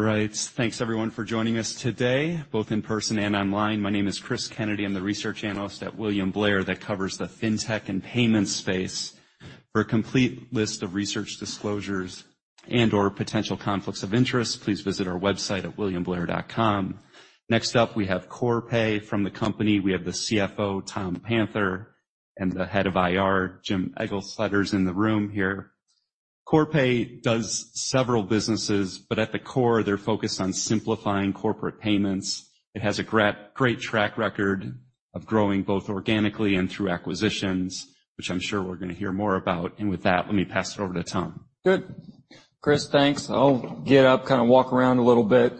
All right. Thanks, everyone, for joining us today, both in person and online. My name is Chris Kennedy. I'm the research analyst at William Blair that covers the fintech and payment space. For a complete list of research disclosures and/or potential conflicts of interest, please visit our website at williamblair.com. Next up, we have Corpay. From the company, we have the CFO, Tom Panther, and the head of IR, Jim Eglseder, in the room here. Corpay does several businesses, but at the core, they're focused on simplifying corporate payments. It has a great, great track record of growing, both organically and through acquisitions, which I'm sure we're gonna hear more about. And with that, let me pass it over to Tom. Good. Chris, thanks. I'll get up, kind of walk around a little bit.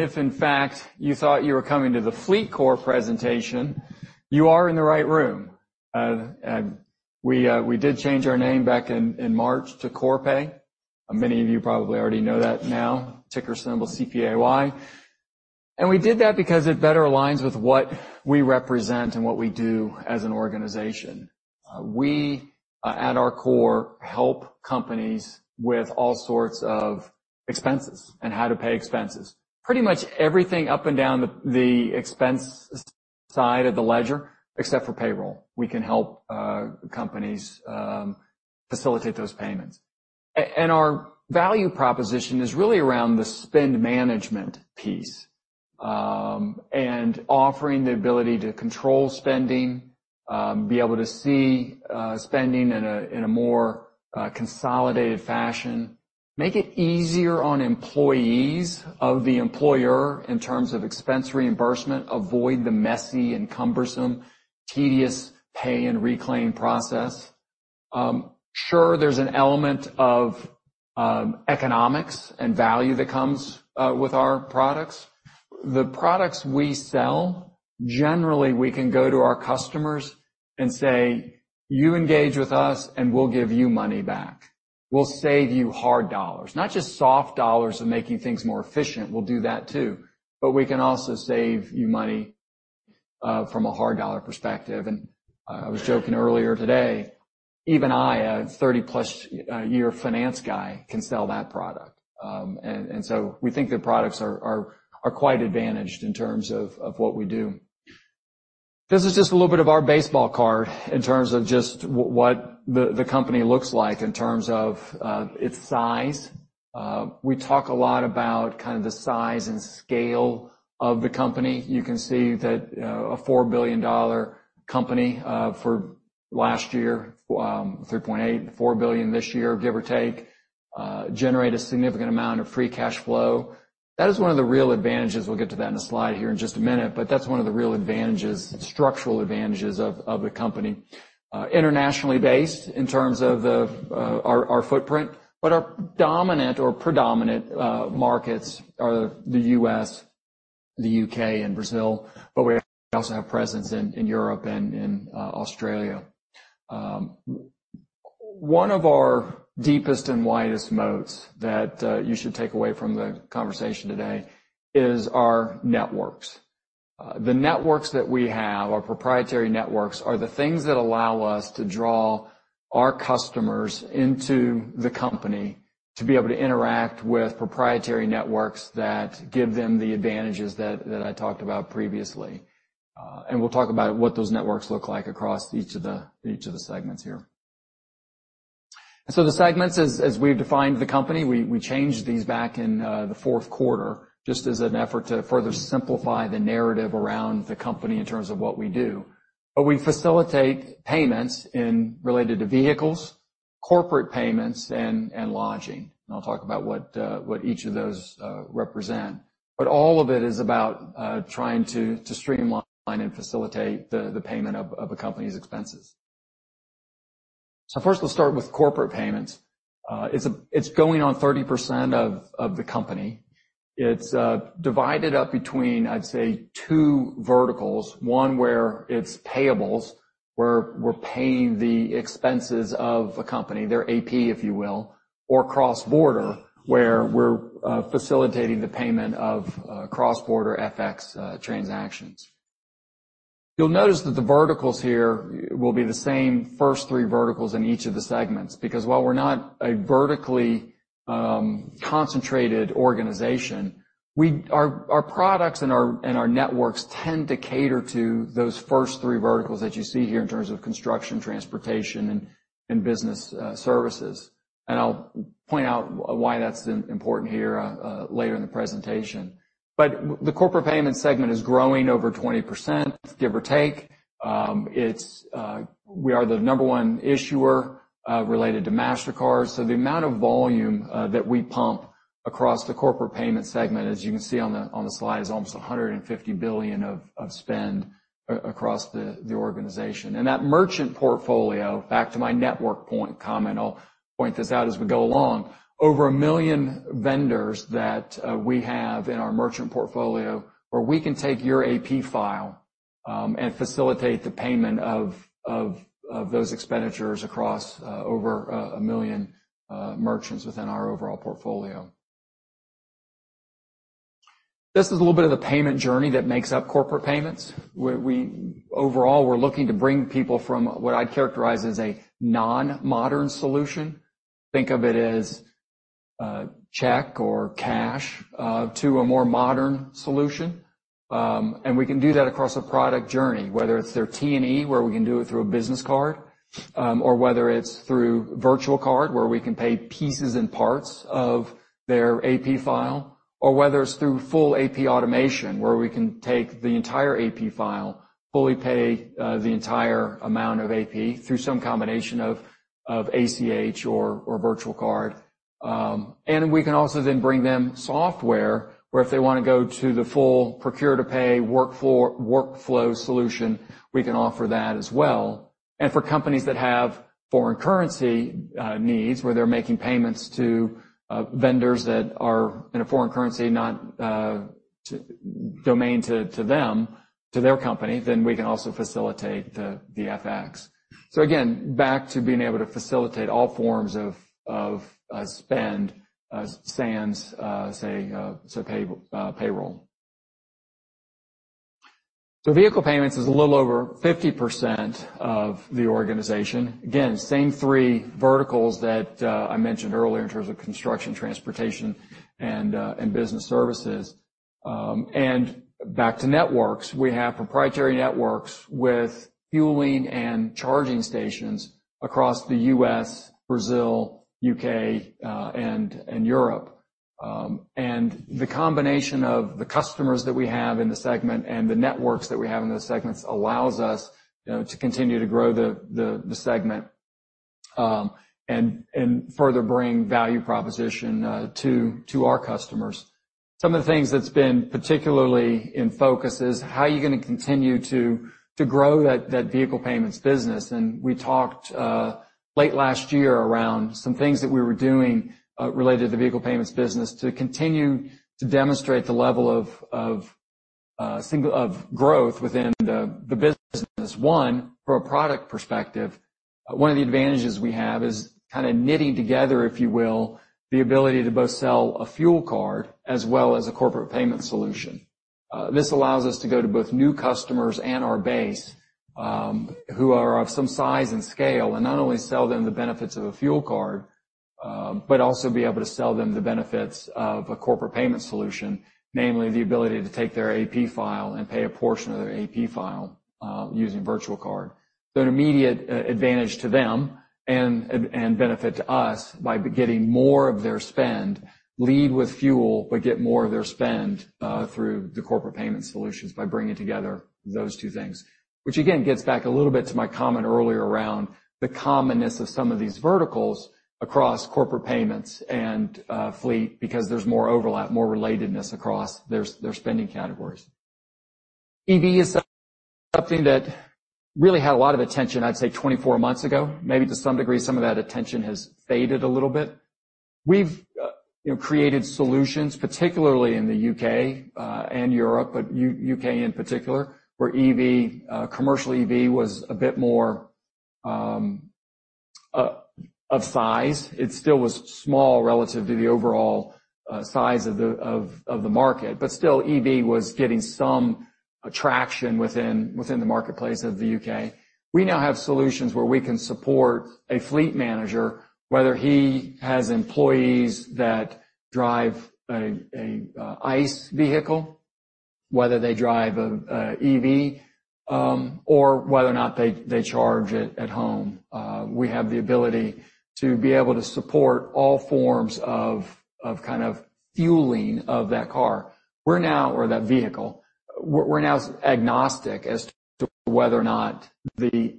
If, in fact, you thought you were coming to the FLEETCOR presentation, you are in the right room. We did change our name back in March to Corpay. Many of you probably already know that now, ticker symbol CPAY. And we did that because it better aligns with what we represent and what we do as an organization. We, at our core, help companies with all sorts of expenses and how to pay expenses. Pretty much everything up and down the expense side of the ledger, except for payroll, we can help companies facilitate those payments. Our value proposition is really around the spend management piece, and offering the ability to control spending, be able to see spending in a more consolidated fashion. Make it easier on employees of the employer in terms of expense reimbursement. Avoid the messy and cumbersome, tedious pay and reclaim process. Sure, there's an element of economics and value that comes with our products. The products we sell, generally, we can go to our customers and say: You engage with us, and we'll give you money back. We'll save you hard dollars, not just soft dollars of making things more efficient. We'll do that, too, but we can also save you money from a hard dollar perspective. And I was joking earlier today, even I, a 30-plus-year finance guy, can sell that product. So we think the products are quite advantaged in terms of what we do. This is just a little bit of our baseball card in terms of just what the company looks like in terms of its size. We talk a lot about kind of the size and scale of the company. You can see that a $4 billion company for last year, $3.8-$4 billion this year, give or take, generates a significant amount of free cash flow. That is one of the real advantages. We'll get to that in a slide here in just a minute, but that's one of the real advantages, structural advantages of the company. Internationally based in terms of the, our, our footprint, but our dominant or predominant, markets are the U.S., the U.K., and Brazil, but we also have presence in, in Europe and in, Australia. One of our deepest and widest moats that, you should take away from the conversation today is our networks. The networks that we have, our proprietary networks, are the things that allow us to draw our customers into the company to be able to interact with proprietary networks that give them the advantages that I talked about previously. And we'll talk about what those networks look like across each of the segments here. And so the segments, as we've defined the company, we changed these back in the fourth quarter, just as an effort to further simplify the narrative around the company in terms of what we do. But we facilitate payments in related to vehicles, corporate payments, and lodging, and I'll talk about what each of those represent. But all of it is about trying to streamline and facilitate the payment of a company's expenses. So first, let's start with corporate payments. It's going on 30% of the company. It's divided up between, I'd say, two verticals, one where it's payables, where we're paying the expenses of a company, their AP, if you will, or cross-border, where we're facilitating the payment of cross-border FX transactions. You'll notice that the verticals here will be the same first three verticals in each of the segments, because while we're not a vertically concentrated organization, our products and our networks tend to cater to those first three verticals that you see here in terms of construction, transportation, and business services. And I'll point out why that's important here later in the presentation. But the corporate payment segment is growing over 20%, give or take. It's we are the number one issuer related to Mastercard, so the amount of volume that we pump across the corporate payment segment, as you can see on the slide, is almost $150 billion of spend across the organization. And that merchant portfolio, back to my network point comment, I'll point this out as we go along, over 1 million vendors that we have in our merchant portfolio, where we can take your AP file and facilitate the payment of those expenditures across over 1 million merchants within our overall portfolio. This is a little bit of the payment journey that makes up corporate payments, where we, overall, we're looking to bring people from what I'd characterize as a non-modern solution. Think of it as check or cash to a more modern solution. And we can do that across a product journey, whether it's their T&E, where we can do it through a business card, or whether it's through virtual card, where we can pay pieces and parts of their AP file, or whether it's through full AP automation, where we can take the entire AP file, fully pay the entire amount of AP through some combination of ACH or virtual card. And we can also then bring them software, where if they want to go to the full procure-to-pay workflow solution, we can offer that as well. And for companies that have foreign currency needs, where they're making payments to vendors that are in a foreign currency, not domestic to them, to their company, then we can also facilitate the FX. So again, back to being able to facilitate all forms of spend sans payroll. So vehicle payments is a little over 50% of the organization. Again, same three verticals that I mentioned earlier in terms of construction, transportation, and business services. And back to networks, we have proprietary networks with fueling and charging stations across the U.S., Brazil, U.K., and Europe. And the combination of the customers that we have in the segment and the networks that we have in those segments allows us, you know, to continue to grow the segment and further bring value proposition to our customers. Some of the things that's been particularly in focus is how are you going to continue to grow that vehicle payments business? We talked late last year around some things that we were doing related to the vehicle payments business to continue to demonstrate the level of growth within the business. One, from a product perspective, one of the advantages we have is kinda knitting together, if you will, the ability to both sell a fuel card as well as a corporate payment solution. This allows us to go to both new customers and our base who are of some size and scale, and not only sell them the benefits of a fuel card but also be able to sell them the benefits of a corporate payment solution, namely the ability to take their AP file and pay a portion of their AP file using virtual card. So an immediate advantage to them and benefit to us by getting more of their spend, lead with fuel, but get more of their spend through the corporate payment solutions by bringing together those two things. Which again gets back a little bit to my comment earlier around the commonness of some of these verticals across corporate payments and fleet, because there's more overlap, more relatedness across their spending categories. EV is something that really had a lot of attention, I'd say, 24 months ago. Maybe to some degree, some of that attention has faded a little bit. We've, you know, created solutions, particularly in the U.K. and Europe, but U.K. in particular, where EV, commercial EV was a bit more of size. It still was small relative to the overall size of the market, but still EV was getting some attraction within the marketplace of the UK. We now have solutions where we can support a fleet manager, whether he has employees that drive a ICE vehicle, whether they drive a EV, or whether or not they charge it at home. We have the ability to be able to support all forms of kind of fueling of that car or that vehicle. We're now agnostic as to whether or not the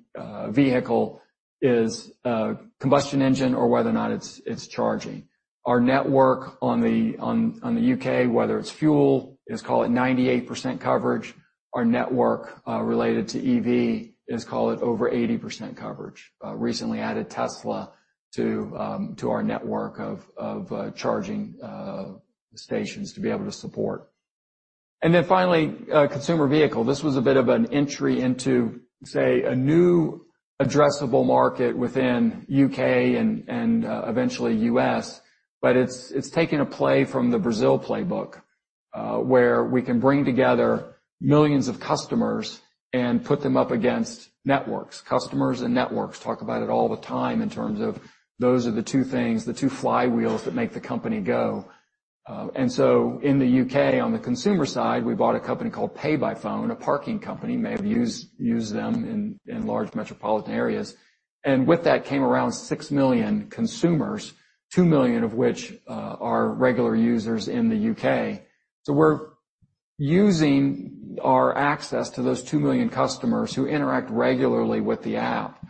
vehicle is a combustion engine or whether or not it's charging. Our network on the UK, whether it's fuel, is call it 98% coverage. Our network related to EV is call it over 80% coverage. Recently added Tesla to our network of charging stations to be able to support. And then finally, consumer vehicle. This was a bit of an entry into, say, a new addressable market within U.K. and eventually U.S., but it's taking a play from the Brazil playbook, where we can bring together millions of customers and put them up against networks. Customers and networks, talk about it all the time in terms of those are the two things, the two flywheels that make the company go. And so in the U.K., on the consumer side, we bought a company called PayByPhone, a parking company, may have used them in large metropolitan areas. And with that came around 6 million consumers, 2 million of which are regular users in the U.K. So we're using our access to those 2 million customers who interact regularly with the app,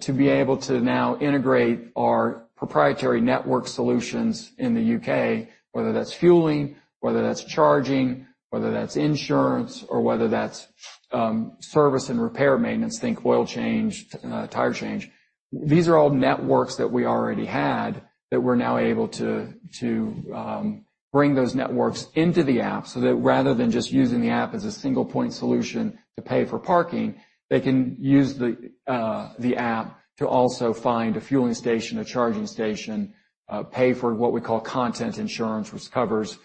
to be able to now integrate our proprietary network solutions in the UK, whether that's fueling, whether that's charging, whether that's insurance, or whether that's, service and repair maintenance, think oil change, tire change. These are all networks that we already had, that we're now able to bring those networks into the app, so that rather than just using the app as a single-point solution to pay for parking, they can use the app to also find a fueling station, a charging station, pay for what we call contents insurance, which covers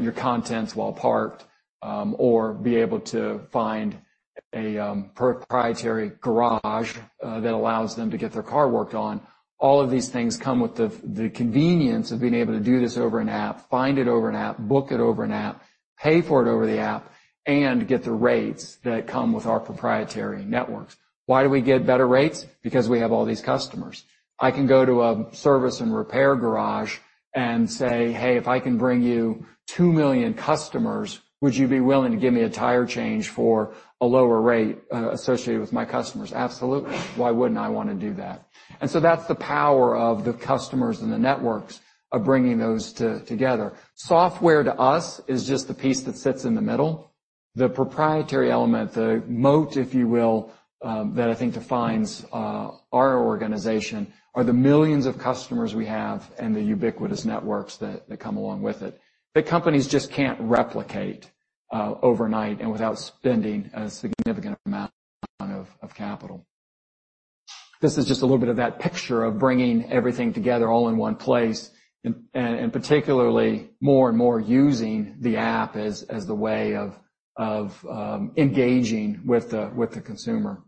your contents while parked, or be able to find a proprietary garage that allows them to get their car worked on. All of these things come with the convenience of being able to do this over an app, find it over an app, book it over an app, pay for it over the app, and get the rates that come with our proprietary networks. Why do we get better rates? Because we have all these customers. I can go to a service and repair garage and say, "Hey, if I can bring you 2 million customers, would you be willing to give me a tire change for a lower rate, associated with my customers?" Absolutely. Why wouldn't I want to do that? And so that's the power of the customers and the networks of bringing those together. Software to us is just the piece that sits in the middle. The proprietary element, the moat, if you will, that I think defines our organization, are the millions of customers we have and the ubiquitous networks that come along with it, that companies just can't replicate overnight and without spending a significant amount of capital. This is just a little bit of that picture of bringing everything together all in one place, and particularly more and more using the app as the way of engaging with the consumer.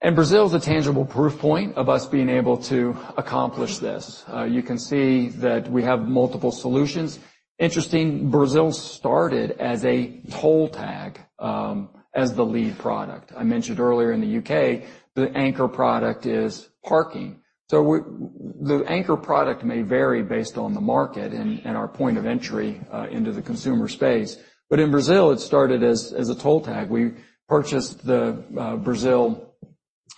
And Brazil is a tangible proof point of us being able to accomplish this. You can see that we have multiple solutions. Interesting, Brazil started as a toll tag as the lead product. I mentioned earlier in the UK, the anchor product is parking. So the anchor product may vary based on the market and our point of entry into the consumer space. But in Brazil, it started as a toll tag. We purchased the Brazil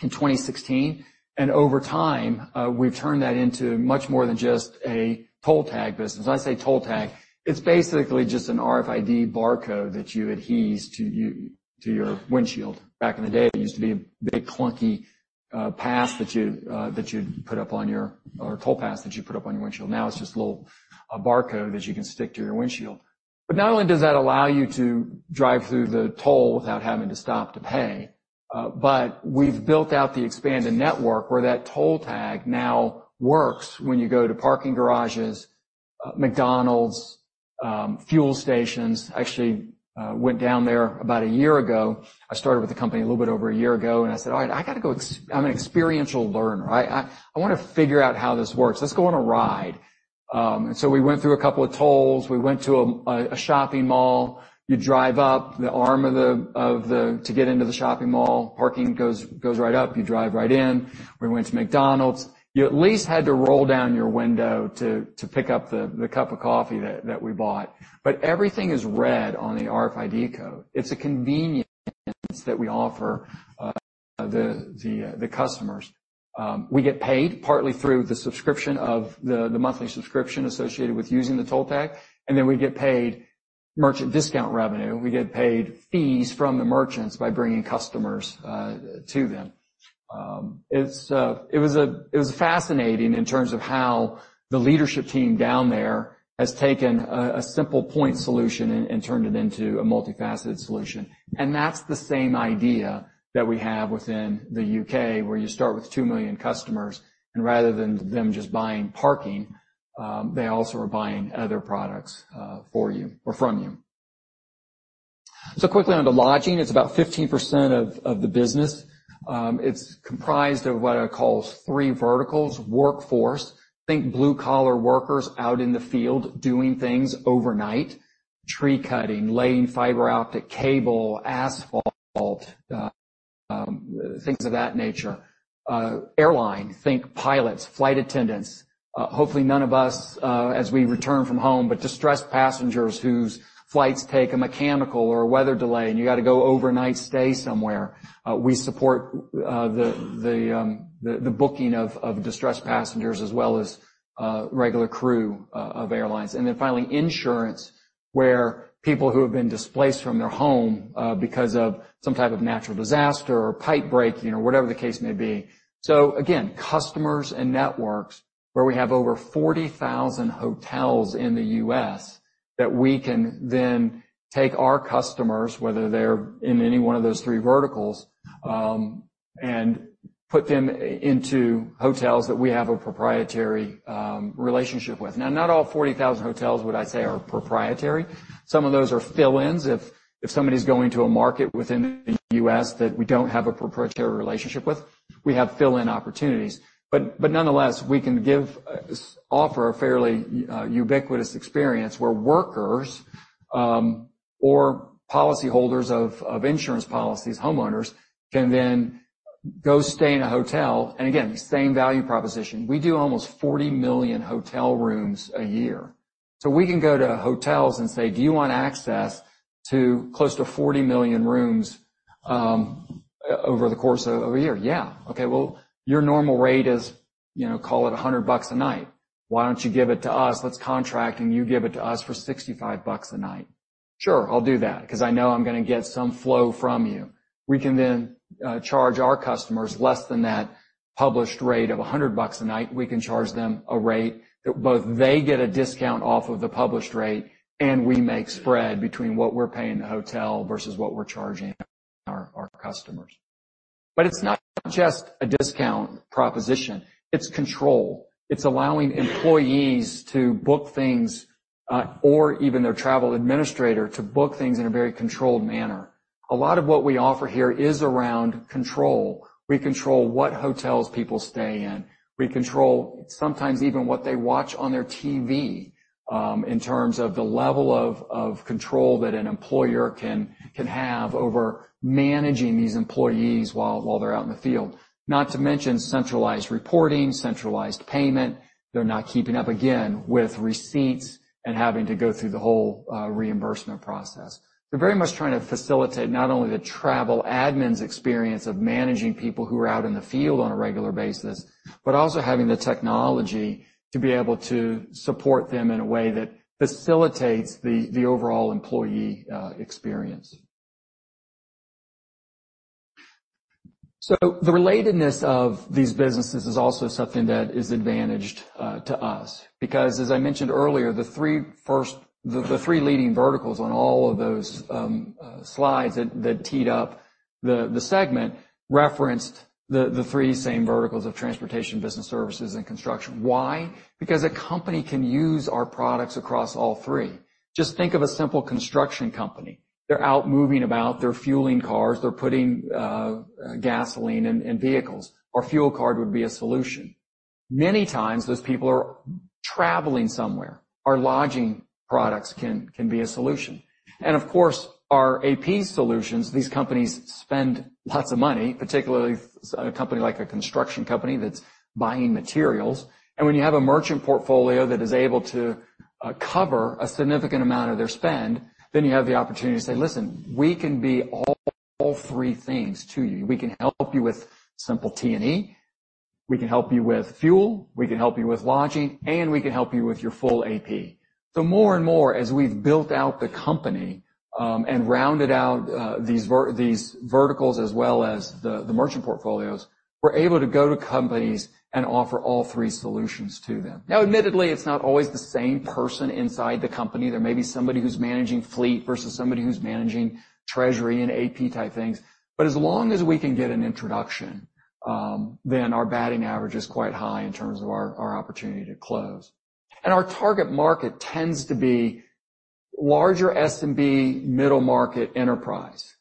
in 2016, and over time, we've turned that into much more than just a toll tag business. When I say toll tag, it's basically just an RFID barcode that you adhere to your windshield. Back in the day, it used to be a big, clunky pass that you'd put up on your or toll pass that you put up on your windshield. Now it's just a little barcode that you can stick to your windshield. But not only does that allow you to drive through the toll without having to stop to pay, but we've built out the expanded network where that toll tag now works when you go to parking garages, McDonald's, fuel stations. Actually, went down there about a year ago. I started with the company a little bit over a year ago, and I said, "All right, I got to go. I'm an experiential learner. I want to figure out how this works. Let's go on a ride." And so we went through a couple of tolls. We went to a shopping mall. You drive up the arm of the to get into the shopping mall. Parking goes right up, you drive right in. We went to McDonald's. You at least had to roll down your window to pick up the cup of coffee that we bought. But everything is read on the RFID code. It's a convenience that we offer the customers. We get paid partly through the subscription of the monthly subscription associated with using the toll tag, and then we get paid merchant discount revenue. We get paid fees from the merchants by bringing customers to them. It was fascinating in terms of how the leadership team down there has taken a simple point solution and turned it into a multifaceted solution. That's the same idea that we have within the UK, where you start with 2 million customers, and rather than them just buying parking, they also are buying other products, for you or from you. Quickly on to lodging. It's about 15% of the business. It's comprised of what I call 3 verticals. Workforce, think blue-collar workers out in the field doing things overnight, tree cutting, laying fiber optic cable, asphalt, things of that nature. Airline, think pilots, flight attendants, hopefully none of us, as we return from home, but distressed passengers whose flights take a mechanical or weather delay, and you got to go overnight, stay somewhere. We support the booking of distressed passengers as well as regular crew of airlines. And then finally, insurance, where people who have been displaced from their home because of some type of natural disaster or pipe breaking or whatever the case may be. So again, customers and networks, where we have over 40,000 hotels in the U.S., that we can then take our customers, whether they're in any one of those three verticals, and put them into hotels that we have a proprietary relationship with. Now, not all 40,000 hotels, would I say, are proprietary. Some of those are fill-ins. If somebody's going to a market within the U.S. that we don't have a proprietary relationship with, we have fill-in opportunities. But nonetheless, we can offer a fairly ubiquitous experience where workers or policyholders of insurance policies, homeowners, can then go stay in a hotel. And again, same value proposition. We do almost 40 million hotel rooms a year. So we can go to hotels and say, "Do you want access to close to 40 million rooms over the course of a year?" "Yeah." "Okay, well, your normal rate is, you know, call it $100 a night. Why don't you give it to us? Let's contract, and you give it to us for $65 a night." "Sure, I'll do that, 'cause I know I'm gonna get some flow from you." We can then charge our customers less than that published rate of $100 a night. We can charge them a rate that both they get a discount off of the published rate, and we make spread between what we're paying the hotel versus what we're charging our customers. But it's not just a discount proposition, it's control. It's allowing employees to book things, or even their travel administrator to book things in a very controlled manner. A lot of what we offer here is around control. We control what hotels people stay in. We control sometimes even what they watch on their TV, in terms of the level of control that an employer can have over managing these employees while they're out in the field. Not to mention centralized reporting, centralized payment. They're not keeping up, again, with receipts and having to go through the whole reimbursement process. They're very much trying to facilitate not only the travel admin's experience of managing people who are out in the field on a regular basis, but also having the technology to be able to support them in a way that facilitates the overall employee experience. So the relatedness of these businesses is also something that is advantaged to us. Because as I mentioned earlier, the three leading verticals on all of those slides that teed up the segment referenced the three same verticals of transportation, business services, and construction. Why? Because a company can use our products across all three. Just think of a simple construction company. They're out moving about, they're fueling cars, they're putting gasoline in vehicles. Our fuel card would be a solution. Many times, those people are traveling somewhere. Our lodging products can be a solution. And of course, our AP solutions, these companies spend lots of money, particularly a company like a construction company that's buying materials. And when you have a merchant portfolio that is able to cover a significant amount of their spend, then you have the opportunity to say, "Listen, we can be all, all three things to you. We can help you with simple T&E, we can help you with fuel, we can help you with lodging, and we can help you with your full AP." So more and more, as we've built out the company, and rounded out these verticals, as well as the merchant portfolios, we're able to go to companies and offer all three solutions to them. Now, admittedly, it's not always the same person inside the company. There may be somebody who's managing fleet versus somebody who's managing treasury and AP type things. But as long as we can get an introduction, then our batting average is quite high in terms of our, our opportunity to close. And our target market tends to be larger SMB, middle-market enterprise.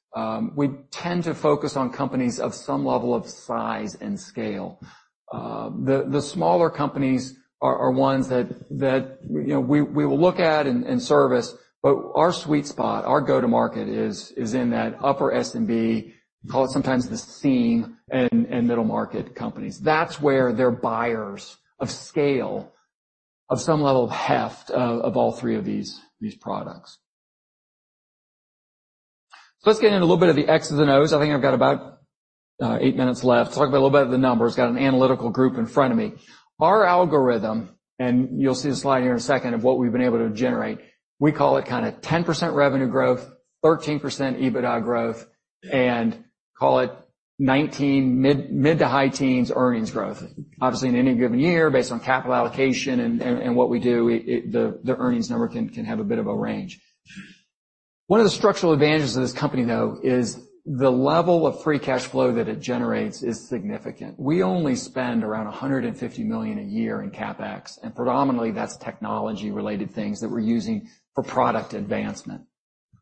We tend to focus on companies of some level of size and scale. The smaller companies are ones that, you know, we will look at and service, but our sweet spot, our go-to-market is in that upper SMB, call it sometimes the seam and middle-market companies. That's where they're buyers of scale, of some level of heft of all three of these products. So let's get into a little bit of the X and the O's. I think I've got about eight minutes left. Talk about a little bit of the numbers. Got an analytical group in front of me. Our algorithm, and you'll see the slide here in a second, of what we've been able to generate. We call it kinda 10% revenue growth, 13% EBITDA growth, and call it mid- to high teens earnings growth. Obviously, in any given year, based on capital allocation and what we do, the earnings number can have a bit of a range. One of the structural advantages of this company, though, is the level of free cash flow that it generates is significant. We only spend around $150 million a year in CapEx, and predominantly, that's technology-related things that we're using for product advancement.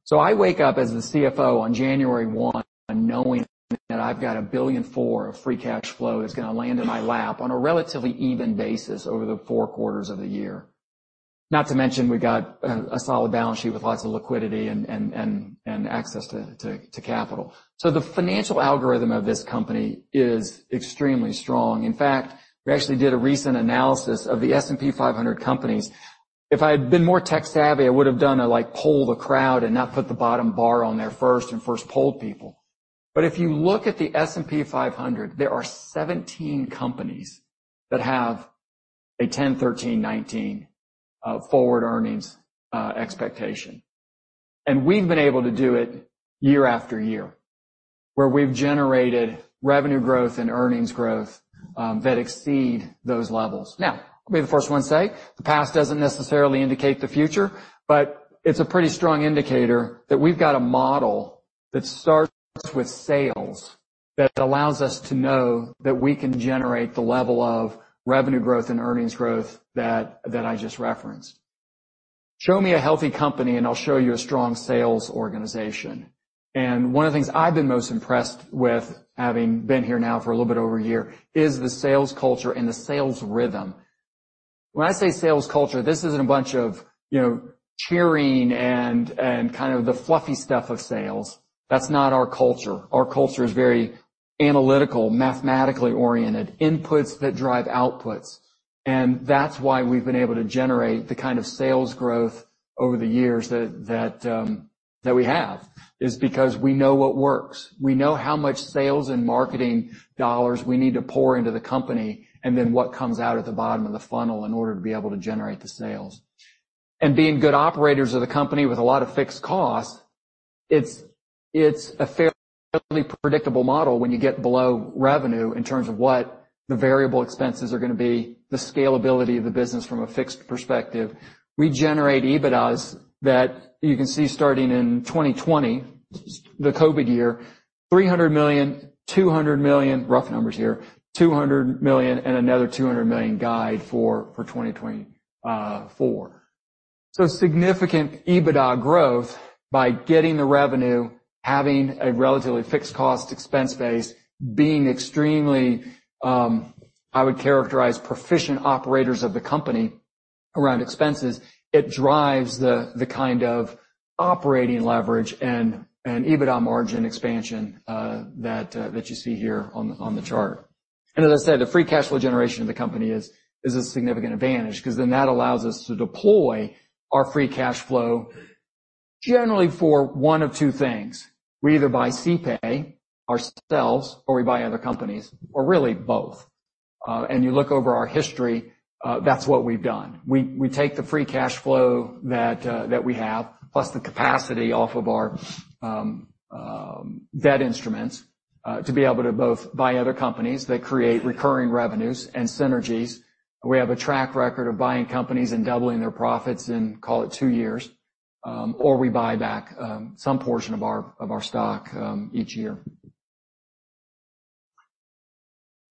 So I wake up as the CFO on January one, knowing that I've got $1.004 billion of free cash flow that's gonna land in my lap on a relatively even basis over the four quarters of the year. Not to mention, we've got a solid balance sheet with lots of liquidity and access to capital. So the financial algorithm of this company is extremely strong. In fact, we actually did a recent analysis of the S&P 500 companies. If I had been more tech-savvy, I would have done a, like, poll the crowd and not put the bottom bar on there first and polled people. But if you look at the S&P 500, there are 17 companies that have a 10, 13, 19 forward earnings expectation. We've been able to do it year after year, where we've generated revenue growth and earnings growth that exceed those levels. Now, I'll be the first one to say, the past doesn't necessarily indicate the future, but it's a pretty strong indicator that we've got a model that starts with sales, that allows us to know that we can generate the level of revenue growth and earnings growth that I just referenced. Show me a healthy company, and I'll show you a strong sales organization. One of the things I've been most impressed with, having been here now for a little bit over a year, is the sales culture and the sales rhythm. When I say sales culture, this isn't a bunch of, you know, cheering and kind of the fluffy stuff of sales. That's not our culture. Our culture is very analytical, mathematically oriented, inputs that drive outputs. And that's why we've been able to generate the kind of sales growth over the years that that we have, is because we know what works. We know how much sales and marketing dollars we need to pour into the company, and then what comes out at the bottom of the funnel in order to be able to generate the sales. And being good operators of the company with a lot of fixed costs, it's a fairly predictable model when you get below revenue in terms of the variable expenses are going to be, the scalability of the business from a fixed perspective. We generate EBITDAs that you can see starting in 2020, the COVID year, $300 million, $200 million, rough numbers here, $200 million, and another $200 million guide for 2024. So significant EBITDA growth by getting the revenue, having a relatively fixed cost expense base, being extremely, I would characterize, proficient operators of the company around expenses, it drives the kind of operating leverage and EBITDA margin expansion that you see here on the chart. And as I said, the free cash flow generation of the company is a significant advantage, 'cause then that allows us to deploy our free cash flow generally for one of two things. We either buy CPAY ourselves, or we buy other companies, or really both. And you look over our history, that's what we've done. We take the free cash flow that we have, plus the capacity off of our debt instruments, to be able to both buy other companies that create recurring revenues and synergies. We have a track record of buying companies and doubling their profits in, call it two years, or we buy back some portion of our stock each year.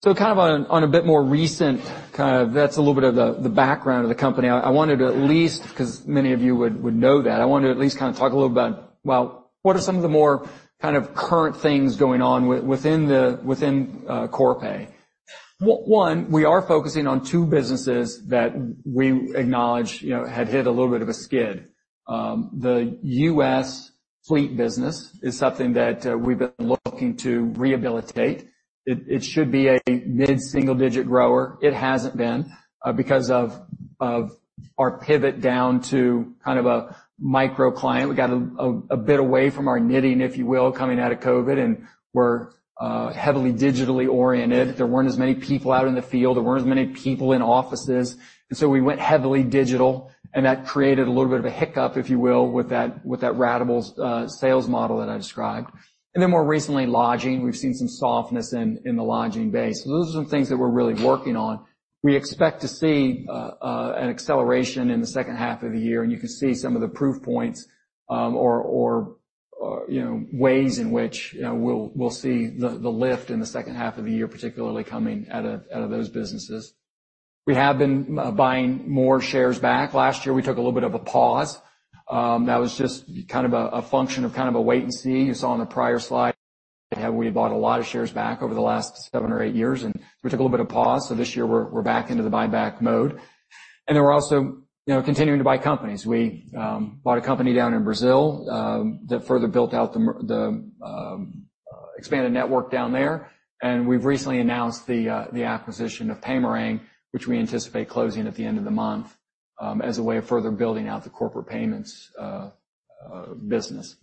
So kind of on a bit more recent... kind of that's a little bit of the background of the company. I wanted to at least, because many of you would know that, I wanted to at least kind of talk a little about, well, what are some of the more kind of current things going on within the, within Corpay? One, we are focusing on two businesses that we acknowledge, you know, had hit a little bit of a skid. The U.S. fleet business is something that we've been looking to rehabilitate. It should be a mid-single-digit grower. It hasn't been because of our pivot down to kind of a micro client. We got a bit away from our knitting, if you will, coming out of COVID, and we're heavily digitally oriented. There weren't as many people out in the field. There weren't as many people in offices, and so we went heavily digital, and that created a little bit of a hiccup, if you will, with that ratable sales model that I described. And then more recently, lodging. We've seen some softness in the lodging base. So those are some things that we're really working on. We expect to see an acceleration in the second half of the year, and you can see some of the proof points, you know, ways in which we'll see the lift in the second half of the year, particularly coming out of those businesses. We have been buying more shares back. Last year, we took a little bit of a pause. That was just kind of a function of kind of a wait and see. You saw on the prior slide, how we bought a lot of shares back over the last 7 or 8 years, and we took a little bit of pause, so this year we're back into the buyback mode. And then we're also, you know, continuing to buy companies. We bought a company down in Brazil that further built out the expanded network down there, and we've recently announced the acquisition of Paymerang, which we anticipate closing at the end of the month, as a way of further building out the corporate payments business.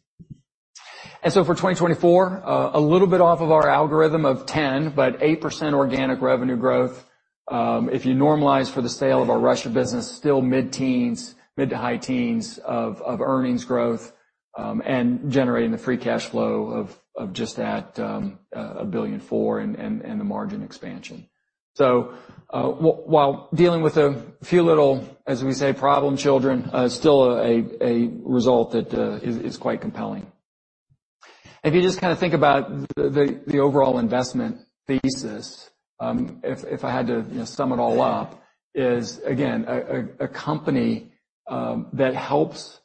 And so for 2024, a little bit off of our algorithm of 10, but 8% organic revenue growth. If you normalize for the sale of our Russia business, still mid-teens, mid- to high-teens earnings growth, and generating the free cash flow of just that, $1.4 billion and the margin expansion. So while dealing with a few little, as we say, problem children, still a result that is quite compelling. If you just kind of think about the overall investment thesis, if I had to, you know, sum it all up, is again a company that helps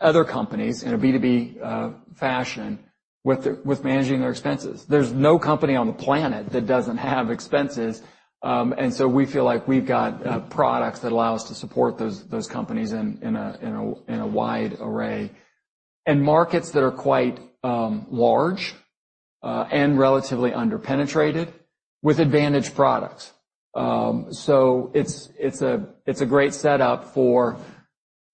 other companies in a B2B fashion with managing their expenses. There's no company on the planet that doesn't have expenses, and so we feel like we've got products that allow us to support those companies in a wide array, and markets that are quite large and relatively underpenetrated with advantage products. So it's a great setup for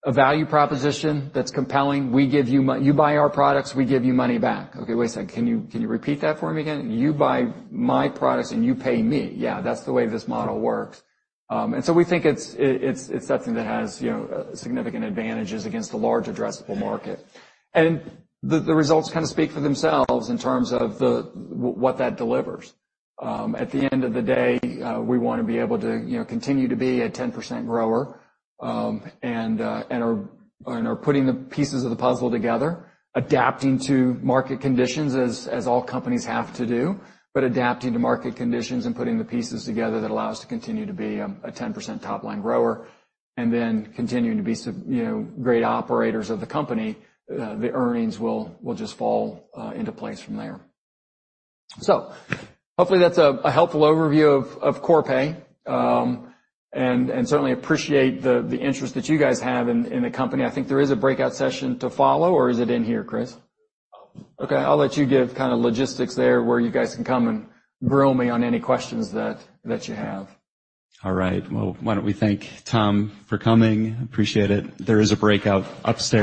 a value proposition that's compelling. We give you you buy our products, we give you money back. Okay, wait a second. Can you repeat that for me again? You buy my products, and you pay me. Yeah, that's the way this model works. And so we think it's something that has, you know, significant advantages against a large addressable market. And the results kind of speak for themselves in terms of the what that delivers. At the end of the day, we want to be able to, you know, continue to be a 10% grower, and are putting the pieces of the puzzle together, adapting to market conditions, as all companies have to do, but adapting to market conditions and putting the pieces together that allow us to continue to be a 10% top-line grower, and then continuing to be some, you know, great operators of the company, the earnings will just fall into place from there. So hopefully that's a helpful overview of Corpay, and certainly appreciate the interest that you guys have in the company. I think there is a breakout session to follow, or is it in here, Chris? Okay, I'll let you give kind of logistics there, where you guys can come and grill me on any questions that you have. All right. Well, why don't we thank Tom for coming. Appreciate it. There is a breakout upstairs.